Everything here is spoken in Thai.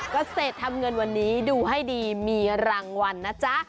เกษตรทำเงินวันนี้ดูให้ดีมีรางวัลนะจ๊ะ